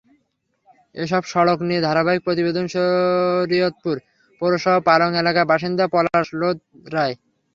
এসব সড়ক নিয়ে ধারাবাহিক প্রতিবেদনশরীয়তপুর পৌরসভার পালং এলাকার বাসিন্দা পলাশ লোধ রায়।